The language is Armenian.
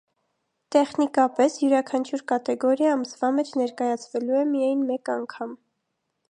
Տեխնիկապես, յուրաքանչյուր կատեգորիա ամսվա մեջ ներկայացվելու է միայն մեկ անգամ։